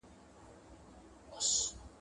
• گيدړي تې ويل، شاهد دي څوک دئ، ول لکۍ مي.